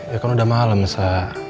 ya kan udah malem sa